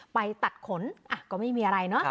ไปตัดขนก็ไม่มีอะไรเนอะ